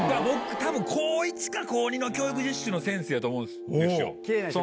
多分高１か高２の教育実習の先生やと思うんですよ。